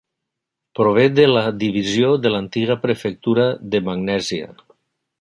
Prové de la divisió de l'antiga prefectura de Magnèsia.